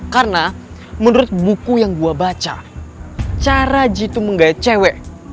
karena menurut buku yang gue baca cara gitu menggaya cewek